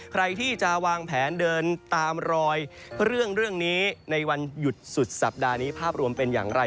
ใครที่จะวางแผนเดินตามรอยเรื่องนี้ในวันหยุดสุดสัปดาห์นี้ภาพรวมเป็นอย่างไร